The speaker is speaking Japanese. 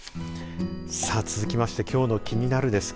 続きまして、きょうのキニナル！です